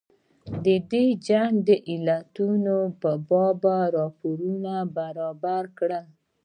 د دې جنګ د علتونو په باب راپورونه برابر کړي.